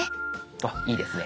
あっいいですね。